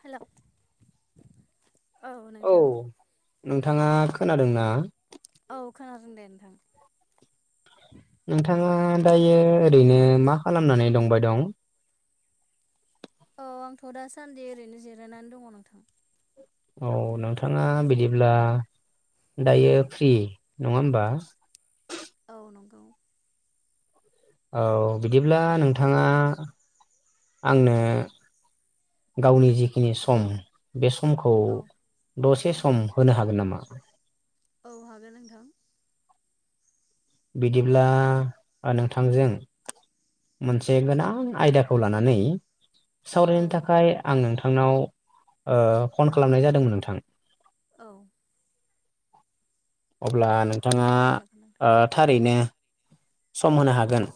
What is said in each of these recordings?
हेल' औ नोंथां नोंथाङा खोनादों ना औ खोनादों दे नोंथां नोंथाङा दायो ओरैनो मा खालामनानै दंबाय दं औ आंथ' दासान्दि ओरैनो जिरायनानै दङ नोंथां औ नोंथाङा बिदिब्ला दायो फ्रि नङा होमबा औ नंगौ औ बिदिब्ला नोंथाङा आंनो गावनि जिखिनि सम बे सम खौ औ दसे सम होनो हागोन नामा औ हागोन नोंथां बिदिब्ला नोंथांजों मोनसे गोनां आयदाखौ लानानै औ सावरायनो थाखाय आं नोंथांनाव फन खालामनाय जादोंमोन नोंथां औ अब्ला नोंथाङा सावरायजागोन नोंथां थारैनो सम होनो हागोन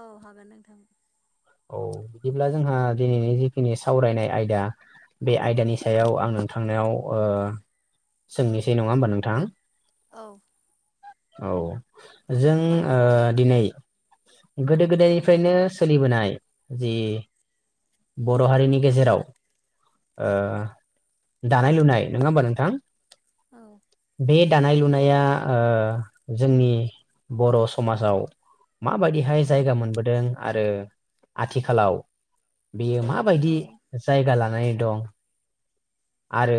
औ हागोन नोंथां औ बिदिब्ला जोंहा दिनैनि जिखिनि सावरायनाय आयदा बे आयदानि सायाव आं नोंथांनायाव सोंनोसै नङा होमबा नोंथां औ औ जों दिनै गोदो औ गोदायनिफ्रायनो सोलिबोनाय जि बर' हारिनि गेजेराव दानाय लुनाय नङा होमबा नोंथां औ बे दानाय लुनाया ओ जोंनि बर' समाजाव माबायदिहाय औ जायगा मोनबोदों आरो आथिखालाव बेयो माबायदि औ जायगा लानानै दं आरो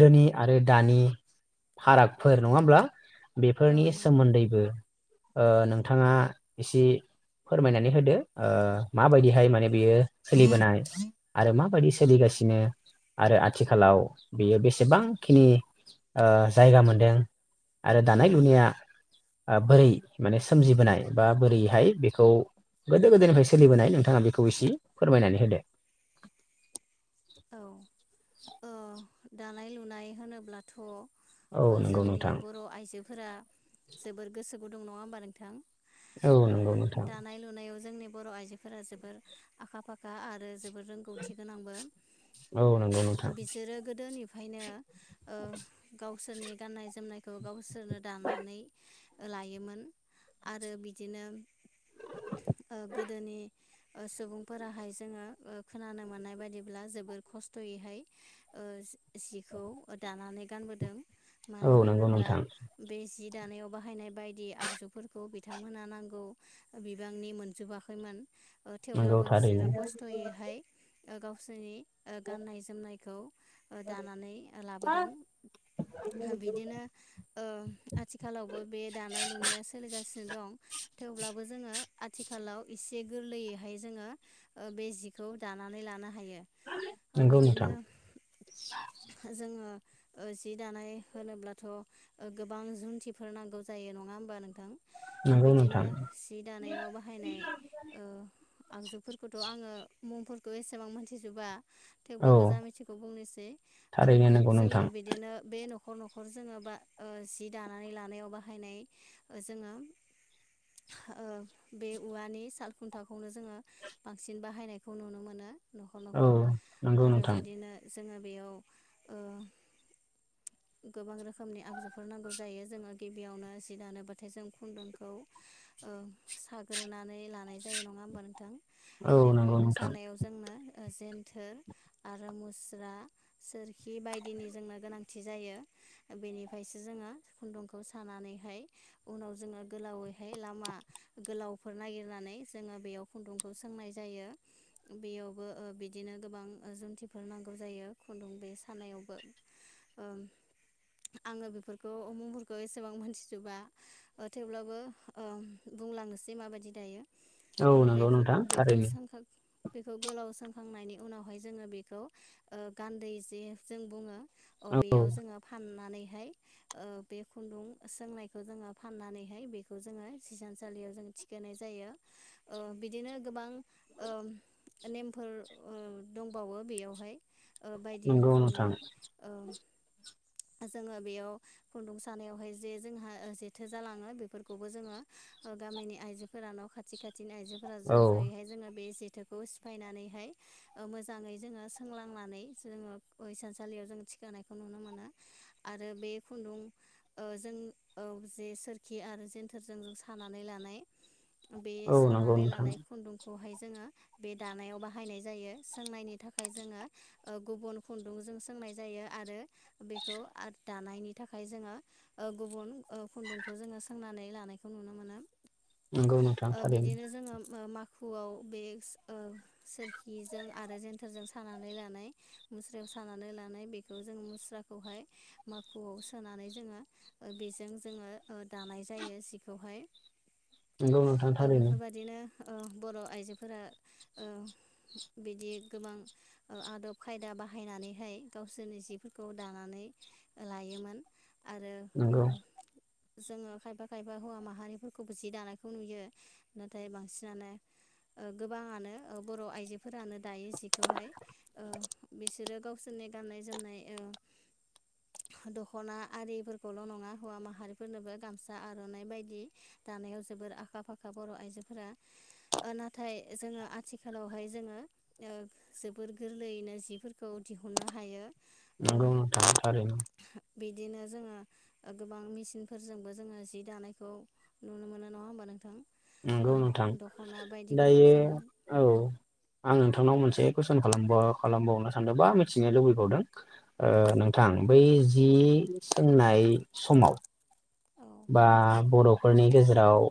औ आरो दानि फारागफोर नङा होमब्ला औ बेफोरनि नंगौ सोमोन्दैबो ओ नोंथाङा एसे फोरमायनानै होदो ओ माबायदिहाय माने बेयो सोलिबोनाय आरो माबायदि सोलिगा सिनो आरो औ आथिखालाव बेयो बेसे एसेबांखिनि ओ जायगा मोनदों आरो दानाय लुनाया बोरै माने सोमजिबोनाय बा बोरैहाय बेखौ गोदो गोदोनिफ्राय सोलिबोनाय नोंथाङा बेखौ एसे फोरमायनानै होदो। औ ओ दानाय लुनाय होनोब्लाथ' औ नंगौ जोंनि नोंथां बर' आइजोफोरा जोबोर गोसो गुदुं नङा होमबा नोंथां औ ओ नंगौ नोंथां दानाय लुनायाव जोंनि बर' आइजोफोरा जोबोर आखा-फाखा आरो जोबोर रोंगौथि गोनांबो। औ नंगौ नोंथां। बिसोरो गोदोनिफ्रायनो ओ गाव गावसोरनि गाननाय जोमनायखौ गावसोरनो दानानै लायोमोन। आरो बिदिनो ओ गोदोनि ओ सुबुंफोराहाय जोङो ओ खोनानो मोननाय बायदि ब्ला जोबोर खस्थ'यैहाय ओ सिखौ दानानै गानबोदों। औ मानो नंगौ होनोब्ला नोंथां बे जि दानायाव बाहायनाय बायदि आगजुफोरखौ बिथांमोनहा नांगौ बिबांनि मोनजोबाखैमोन। ओ नंगौ थेवब्लाबो थारैनो बिसोरो खस्थ'यैहाय ओ गावसोरनि ओ गाननाय जोमनायखौ दानानै लाबोदों। बिदिनो ओ आथिखालावबो बे दानाय लुनाया सोलिगासिनो दं। थेवब्लाबो जोङो आथिखालाव एसे गोरलैयैहाय जोङो ओ बे जिखौ दानानै लानो हा ओ नंगौ बिदिनो नोंथां जोङो ओ जि दानाय होनोब्लाथ' गोबां जुन्थिफोर नांगौ जायो नङा होमबा नोंथां। ओ नंगौ बिदिनो नोंथां सि दानायाव बाहायनाय ओ आगजुफोरखौथ' आङो मुंफोरखौ एसेबां मोनथिजोबा। औ थेवब्लाबो जा मिथिगौ बुंनोसै ओ थारैनो नंगौ जोङो नोंथां बिदिनो बे न' खर न'खर जोङो बा जि दानानै लानायाव बाहायनाय ओ जोङो ओ बे उवानि सालखुन्थाखौनो जोङो बांसिन बाहायनायखौ नुनो मोनो। औ न'खर-न'खर नंगौ आरो नोंथां बिदिनो जोङो बेयाव ओ गोबां रोखोमनि आगजुफोर नांगौ जायो जोङो गिबियावनो सि दानोबाथाय जों खुन्दुंखौ ओ साग्रोनानै लानाय जायो नङा होमबा नोंथां औ बे नंगौ खुन्दुं नोंथां सानायाव जोंनो जेेनथोर आरो मुस्रा सोरखि बायदिनि जोंनो गोनांथि जायो। बेनिफ्रायसो जोङो खुन्दुंखौ सानानैहाय उनाव जोङो गोलावैहाय लामा गोलावफोर नागिरनानै जोङो बेयाव खुन्दुंखौ सोंनाय जायो बेयाव बो ओ बिदिनो गोबां जुमथिफोर नांगौ जायो खुन्दुं बे सानायावबो। ओं आङो बेफोरखौ उ मुंफोरखौ एसेबां मोनथिजोबा ओ थेवब्लाबो ओ बुंलांनोसै माबायदि दायो औ ओ नंगौ बेफोर नोंथां बेखौ थारैनो। सोंखां बेखौ गोलाव सोंखांनायनि उनावहाय जोङो बेखौ ओ गान्दै जे जों बुङो। अ औ बेयाव जोङो फान नानैहाय ओ बे खुन्दुं सोंनायखौ जोङो फनानैहाय बेखौ जोङो हिसानसालि याव जों थिखोनाय जायो ओ बिदिनो गोबां ओ नेमफोर ओ दंबावो बेयावहाय। ओ बायदि नंगौ रोखोमनि नोंथां ओ जोङो बेयाव खुन्दुं सानायावहाय जे जोंहा जेथो जालाङो बेफोरखौबो जोङो गामिनि आइजोफोरा न' खाथि खाथिनि आइजोफोरा औ ज' ज'यैहाय जोङो बे थोखौ सिफायनानैहाय ओ मोजाङै जोङो सोंलांनानै जोङो ओ सानसालियाव जों थिखांनायखौ नुनो मोनो। आरो बे खुन्दुं ओ जों जे सोरखि आरो जेन्थोरजों [unintelligible] नानै लानाय बे औ नंगौ सानानै नोंथां लानाय खुन्दुं जो बे दानायाव बाहनाय ज सोंनायनि थाखाय जो गुब खु ज जों सोंनाय जायो आरो बेखौ दानायनि थाखाय जोङो गुबुन खुन्दुंखौ जोङो सोंनानै लानायखौ नुो नुनो मोना नंगौ नोंथां थारैनो माखुआव बे सोरखिजों आरो जन्थोरजों सानानै लानाय मुस्रायाव सानानै लानाय बेखौ जों मुस्रा खौहाय मोाखुआव सोनानै जोङो बेजों जोङो दानाय जायो जिखौहाय नोंगौ नोंथां ओ थारैनो बेफोरबादिनो बर' आइजोफोरा बिदि गोबां आदब खायदा बाहायनानैहाय गावसोरनि जिफोरखौ दानानै लायोमोन आरो नंगौ जोङो खायफा खायफा हौवा माहारिफोरखौबो जि दानायखौ नुयो नाथाय बांसिनानो ओ गोबाङानो बर' आइजोफोरानो दायो जिखौहाय ओ बिसोरो गावसोरनि गाननाय जोमनाय दख'ना आरिफोरखौल' नङा हौवा माहारिफोरनोबो गामसा आर'नाइ बायदि दानाय याव जोबोर आखा फाखा बर' आइजोफोरा नाथाय जोङो आथिखालावहाय जोङो जोबोर गोरलैयैनो जिफोरखौ दिहुननो हायो ओ नंगौ नोंथां थारैनो बिदिनो जोङो गोबां मेसिनफोरजोंबो जोङो जि दानायखौ नुनो मोनो नङा होमबा नोंथां नंगौ नोंथां औ दख'ना बायदिफोरखौ दायो जोङो औ आं नोंथांनाव मोनसे कुइसन खालामबावनो सानदों बा मिथिनो लुबैबावदों नोंथां बै जि सोंनाय समाव औ बा बर'फोरनि गेजेराव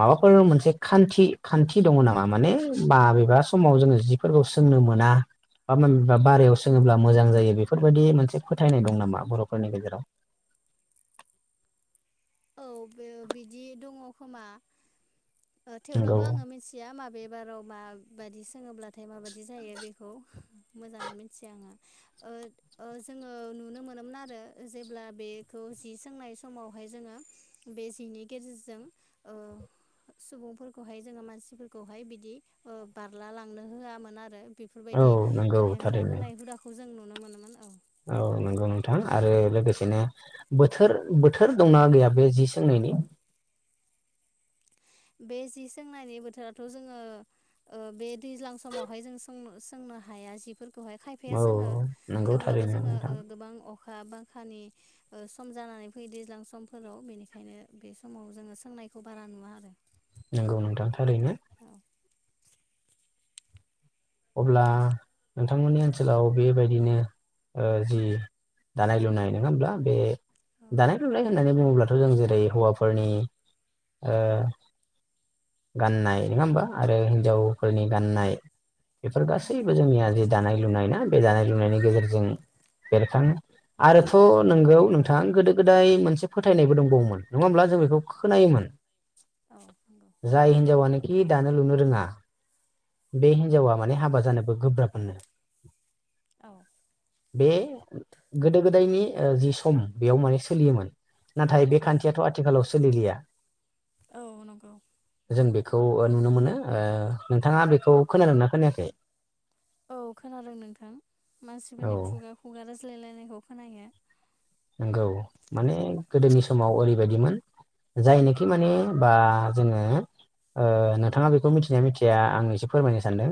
माबाफोर मोनसे खान्थि खान्थि दङ नामा माने बाबेबा समाव जोङो जिफोर सोंनो मोना बा मनबा बारायाव सोङोब्ला मोजां जायो बेफोरबायदि मोनसे फोथायनाय दं नामा बर'फोरनि गेजेराव [unintelligible] [inaudible] औ बे बिदि दङ खोमा नंगौ थेवब्लाबो आङो मिथिया माबेबाराव माबायदि सोङोब्ला नाथाय माबायदि जायो बेखौ मोजाङै मिथिया आङो जोङो नुनो मोनोमोन आरो जेब्ला बेखौ जि सोंनाय समावहाय जोङो बे जिनि गेजेरजों सुबुंफोरखौहाय जोङो मानसिफोरखौहाय बिदि बारला लांनो होआमोन आरो औ बेफोरबायदि नंगौ हेंथा थारैनो होनाय हुदाखौ जों नुनो मोनोमोन औ औ नंगौ नोंथां आरो लोगोसेनो बोथोर बोथोर दंना गैया बे जि सोंनि [unintelligible] [inaudible] [unintelligible] [inaudible] बे जि सोंनायनि बोथोराथ' जोङो ओ बे दैज्लां समावहाय जों सोंनो हाया जिफोर दहाय खायफाया औ जोङो नंगौ थेवब्लाबो थारैनो जोङो नोंथां गोबां अखा बांखानि सम जानानै फैयो दैज्लां समफोराव बेनिखायनो बे समाव जोङो सोंनायखौ बारा नुवा आरो नंगौ नोंथां थारैनो औ अब्ला नोंथांमोननि ओनसोलाव बेबायदिनो जि दानाय लुनाय नङा हब्ला बे दानाय लुनाय होन होननानै बुङोब्लाथ' जों जेरै हौवाफोरनि गाननाय नङा होमबा आरो हिन्जावफोरनि गान्नाय बेफोर गासैबो औ जोंनिया जिे दानाय लुनाय ना बे दानाय लुनायनि गेजेरजों बेरखाङो आरोथ' नोंगौ नोंथां गोदो गोदाय मोनसे फोथायनायबो दंबावोमोन नङा होमब्ला जों बेखौ खोनायोमोन नंगौ जाय हिनजावानोखि दानो लुनो रोङा बे हि हिन्जावा माने औ हाबा जानोबो गोब्राब मोननो औ बे गोदो गोदायनि जि सम बेयाव माने सोलियोमोन नाथाय बे औ खान्थियाथ' आथिखालाव सोलिलिया औ नंगौ जों बेखौ नुनो मोनो ओ नोंथाङा बेखौ खोनादोंना खोनायाखै औ खोनादों नोंथां मानसिफोरनि औ खुगा खुगा रायज्लायलायनायखौ खोनायो [inaudible] नंगौ माने गोदोनि समाव ओरैबायदिमोन जायनोखि माने बा जोङो ओ नोंथाङा बेखौ मिथिनाया मिथिया आं एसे फोरमायनो सानदों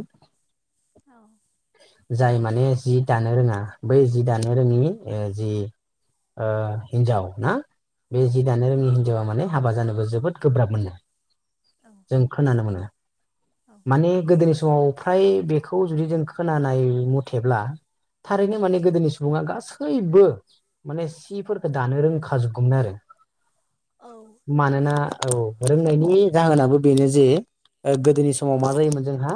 औ जाय माने जि दानो रोङा बै जि दानो रोङि ओ जि ओ हिन्जाव ना बे औ जि दानो रोंनि हिन्जावा माने हाबा जानोबो जोबोद गोब्राब मोनो औ जों खोनानो मोनो औ माने गोदोनि समाव फ्राय बेखौ जुदि जों खोनानाय मथेब्ला थारैनो माने गोदोनि सुबुङा गासैबो माने सिफोरखौ औ दानो रोंखाजोबगौमोन आरो औ नंगौ मानोना औ रोंनायनि जाहोनाबो बेनो जे गोदोनि समाव मा जायोमोन जोंहा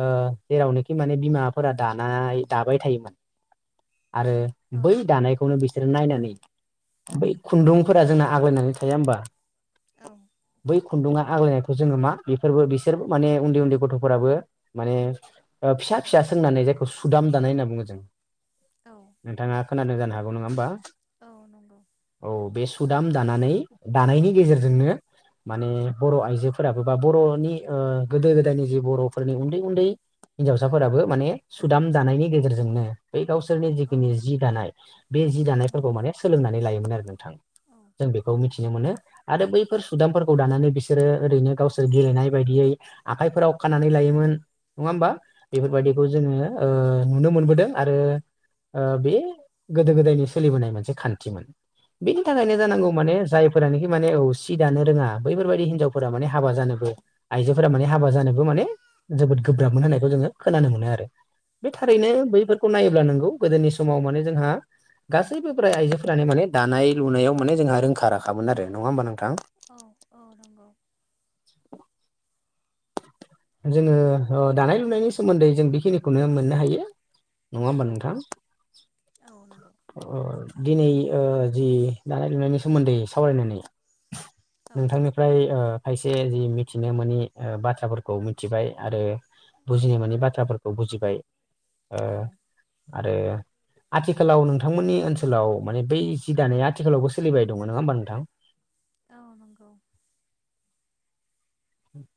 ओ जेरावनोखि माने बिमाफोरा दानाय दाबाय थायोमोन [inaudible] आरो औ बै दानायखौ बिसोर नायनानै बै खुन्दुंफोरा जोंना आग्लायनानै थाया होमबा बै खुन्दुङा आग्लायनायखौ जोङो मा बेफोरबो बिसोरबो माने उन्दै उन्दै गथ'फोराबो माने फिसा फिसा सोंनानै जायखौ सुदाम दानाय होनना बुङो जों औ नोंथाङा खोनादों जानो हागौ नङा होमबा औ नंगौ औ बे सुद दाम दानानै दानायनि गेजेरजोंनो माने बर' आइजोफोराबो बा बर'नि ओ गोदो गोदायनि जि बर'फोरनि उन्दै उन्दै हिन्जावसाफोराबो माने सुदाम जानायनि गेजेरजोंनो बै गावसोरनि औ जिखिनि जि दानाय बे जि औ माने सोलोंनानै लायोमोन आरो नोंथां औ जों बेखौ मिथिनो मोनो आरो बैफोर सुदामफोरखौ लानानै बिसोरो ओरैनो गावसोर गेलेनाय बायदियै आखाइफोराव खानानै लायोमोन नङा होमबा औ बेफोरबायदिखौ नंगौ जोङो ओ नुनो मोनबोदों आरो बे गोदो गोदायनि सोलिबोनाय मोनसे खान्थिमोन बेनि थाखायनो औ जानांगौ नंगौ माने जायफोरानोखि माने सि दानो रोङा बैफोरबायाददि हिनजावफोरा माने हाबा जानोबो आइजोफोरा माने हाबा जानोबो माने जोबोद गोब्राब मोन होननायखौ जोङो खोनानो मोनो आरो बे औ थारैनो नंगौ बैफोरखौ नायोब्ला नंगौ गोदोनि समाव माने जोंहा गासैबो ब्राय आइजोफोरानो माने दानाय लुनायाव माने जोंहा रोंखा राखामोन आरो नङा होमबा नोंथां औ औ नोंगौ जोङो अ दानाय लुनायनि सोमोन्दै जों बेखिनिखौनो मोननो हायो नङा होम्बा औ नोंथां औ नंगौ अ दिनै ओह जि दानाय लुनायनि सोमोन्दै सावरायनानै औ नोंथांनिफ्राय ओह खायसे जि मिथिनो मोनि ओह बाथ्राफोर खौ मिथिबाय आरो बुजिनो मोनै बाथ्राफोरखौ बुजिबाय औ ओह आरो आथिखालाव नोंथांमोननि ओनसोलाव माने बै जि दानाया आथिखालावबो सोलिबाय दं नङा होमबा नोंथां औ नंगौ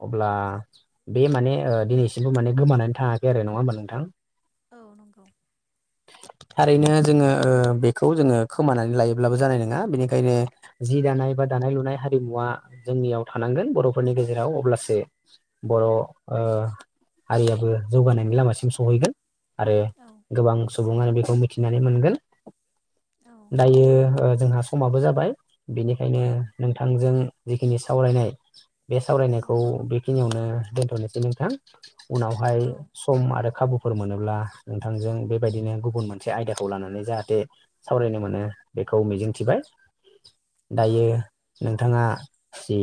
अब्ला बे माने ओह दिनैसिमबो माने गोमानानै थाङाखै आरो नङा होमबा नोंथां औ नंगौ थारैनो जोङो ओह बेखौ जोङो खोमानानै लायोब्लाबो जानाय नङा बेनिखायनो जि दाना एबा दानाय लुनाय हारिमुवा जोंनियाव थानांगोन बर'फोरनि गेजे राव अब्लासो औ बर' ओह हारियाबो जौगानायनि लामासिम सहैगोन आरो औ गोबां सुबुङानो बे मिथिनानै मोनगोन औ दायो ओह जोंहा समाबो जाबाय बेनिखायनो नोंथांजों जिखिनि सावरायनाय बे सावरायनायखौ बेखिनियावनो दोनथ'नोसै नोंथां उनावहाय सम आरो खाबु फोर मोनोब्ला नोंथांजों बेबायदिनो गुबुन मोनसे आयदाखौ लानानै जाहाथे सावरायनो मोनो बे खौ मिजिंथिबाय [inaudible] औ दायो नोंथाङा जि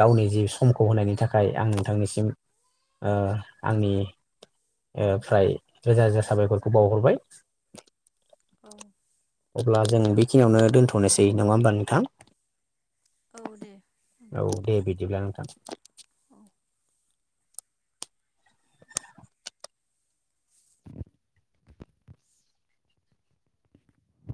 गावनि जि समखौ होनायनि थाखाय आं नोंथांनिसिम ओह आंनि ओह फ्राय रोजा रोजा साबायख'रखौ बावहरबाय [inaudible] अब्ला जों बेखिनियावनो दोनथ'नोसै नङा होमबा नोंथां औ दे औ नोंथां दे बिदिब्ला नोंथां औ